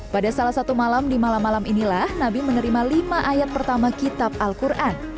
pada salah satu malam di malam malam inilah nabi menerima lima ayat pertama kitab al quran